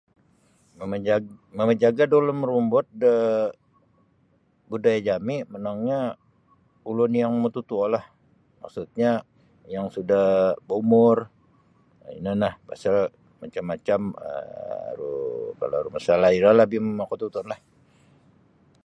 Mamajag mamajaga' da ulun marumbut do budaya jami' monongnyo ulun yang mututuolah maksudnya yang sudah baumur ino no pasal macam-macam um aru kalau aru masalah iro labih makatutunlah.